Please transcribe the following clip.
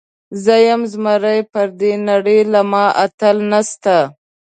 زه یم زمری، پر دې نړۍ له ما اتل نسته.